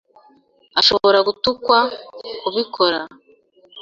Ashobora gutukwa kubikora.